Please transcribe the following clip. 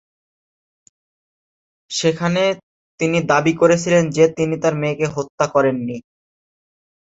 সেখানে তিনি দাবি করেছিলেন যে তিনি তার মেয়েকে হত্যা করেননি।